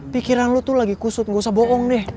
pikiran lo tuh lagi kusut gak usah bohong deh